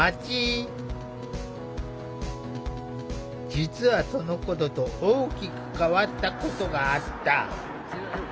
実はそのころと大きく変わったことがあった。